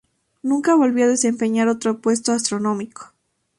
Nunca volvió a desempeñar otro puesto astronómico.